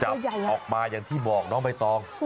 ออกมาอย่างที่บอกน้องใบตอง